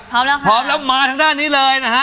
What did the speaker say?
พร้อมแล้วค่ะพร้อมแล้วมาทางด้านนี้เลยนะฮะ